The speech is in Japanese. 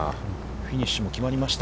フィニッシュも決まりました。